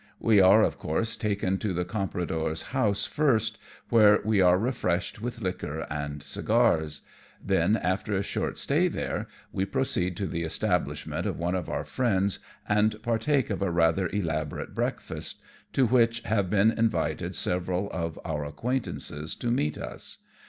We are, of course, taken to the compradore's 44 AMONG TYPHOONS AND PIRATE CRAFT. house first, where we are refreshed with liquor and cigars ; then, after a short stay here, we proceed to the establishment of one of our friends^ and partake of a rather elaborate breakfast, to which have been invited several other of our acquaintances to meet us.